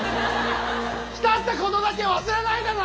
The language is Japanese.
来たってことだけ忘れないでな！